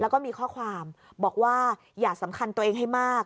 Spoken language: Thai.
แล้วก็มีข้อความบอกว่าอย่าสำคัญตัวเองให้มาก